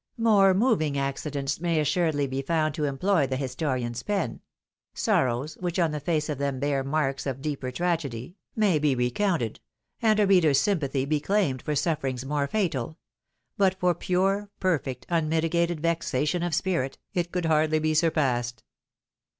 More moving accidents may assuredly be found to employ the historian's pen, — sorrows, wfdch on the face of them bear marks of deeper tragedy, may be recounted, and a reader's sympathy be claimed for sufferings more fatal — but for pure, perfect, unmitigated vexation of spfrit, it could hardly be sur passed.